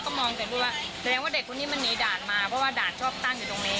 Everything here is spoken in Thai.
ก็คุยกันสักพักนึงแต่พี่ตำรวจเขาก็อดลงแล้วเพราะว่าเด็กคุณนี่มันนีด่านมาเพราะว่าด่านชอบตั้งอยู่ตรงนี้ไม่มีหมวก